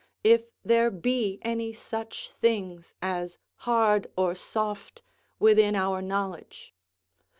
if there be any such things as hard or soft within our knowledge?